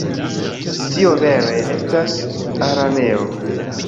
Tio vere estas araneo.